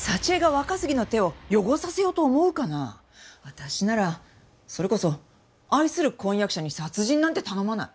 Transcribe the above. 私ならそれこそ愛する婚約者に殺人なんて頼まない。